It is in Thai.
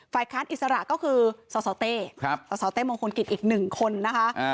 ค้านอิสระก็คือสสเต้สสเต้มงคลกิจอีก๑คนนะคะ